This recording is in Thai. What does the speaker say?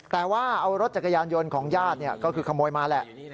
แต่ว่าเอารถจักรยานยนต์ของญาติก็คือขโมยมาแหละ